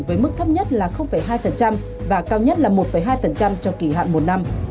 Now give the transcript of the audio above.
với mức thấp nhất là hai và cao nhất là một hai cho kỳ hạn một năm